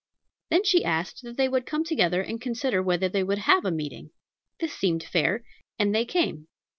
Then she asked that they would come together and consider whether they would have a meeting. This seemed fair, and they came.